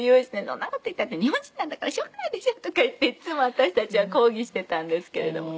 「そんな事言ったって日本人なんだからしょうがないでしょ」とか言っていっつも私たちは抗議していたんですけれども。